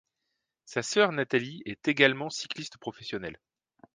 Sa sœur Natalie est également cycliste professionnelle.